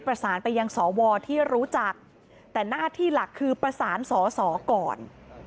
ไปยังศวที่รู้จักแต่หน้าที่หลักคือประสานศศก่อน